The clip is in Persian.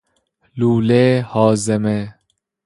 لولۀ هاضمه